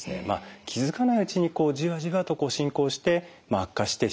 気付かないうちにじわじわと進行して悪化してしまうケースも多いです。